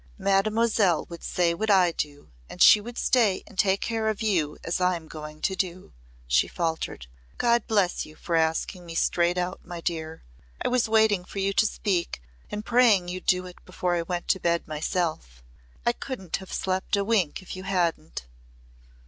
"Mademoiselle would say what I do and she would stay and take care of you as I'm going to do," she faltered. "God bless you for asking me straight out, my dear! I was waiting for you to speak and praying you'd do it before I went to bed myself. I couldn't have slept a wink if you hadn't."